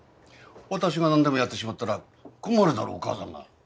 私がなんでもやってしまったら困るだろうお母さんが。